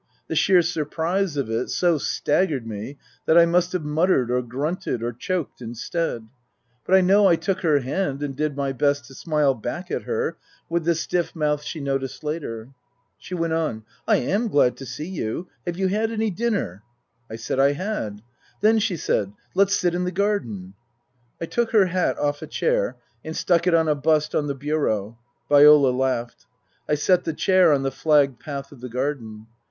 The sheer surprise of it so staggered me that I must have muttered or grunted or choked instead. But I know I took her hand and did my best to smile back at her with the stiff mouth she noticed later. She went on :" I am glad to see you. Have you had any dinner ?" I said I had. ' Then," she said, " let's sit in the garden." I took her hat off a chair and stuck it on a bust on the bureau (Viola laughed). I set the chair on the flagged path of the garden.